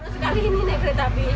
sekali ini naik kereta api